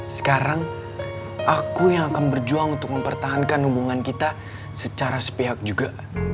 sekarang aku yang akan berjuang untuk mempertahankan hubungan kita secara sepihak juga